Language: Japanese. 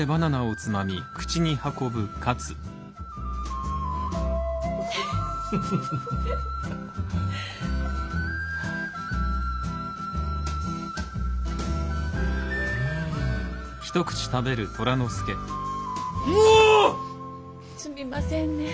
すみませんねえ